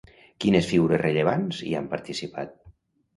Quines figures rellevants hi han participat?